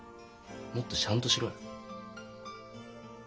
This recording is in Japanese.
もっとシャンとしろよ。